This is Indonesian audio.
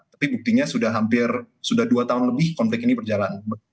tapi buktinya sudah hampir sudah dua tahun lebih konflik ini berjalan